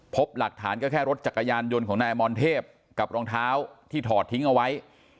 พบหลักฐานก็แค่รถจักรยานยนต์ของนายอมรเทพกับรองเท้าที่ถอดทิ้งเอาไว้